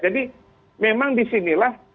jadi memang di sinilah